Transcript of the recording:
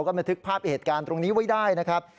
ก็บันทึกภาพเหตุการณ์ตรงนี้ไว้ได้นะครับ